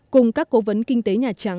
cùng các cố vấn kinh tế nhà trắng